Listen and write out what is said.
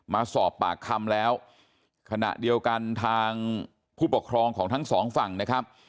มาสอบปากคำแล้วขณะเดียวกันทางผู้ปกครองของทั้งสองฝั่งนะครับ